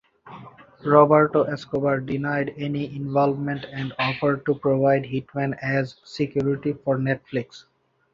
Roberto Escobar denied any involvement and offered to provide hitmen as security for Netflix.